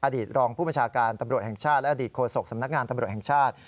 อดีตรองผู้ประชาการตำรวจแห่งชาติและอดีตโฆษกสำนักงานตำรวจแห่งชาติ